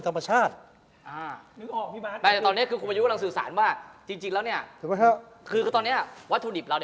ทำให้มันจะขาด